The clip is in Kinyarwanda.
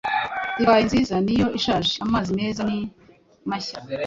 Divayi nziza niyo ishaje amazi meza ni mashya.